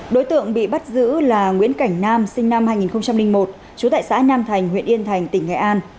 đối tượng bị bắt giữ là nguyễn cảnh nam sinh năm hai nghìn một trú tại xã nam thành huyện yên thành tỉnh nghệ an